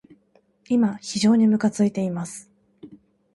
今、非常にむかついています。